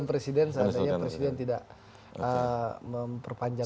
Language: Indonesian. presiden tidak memperpanjangkan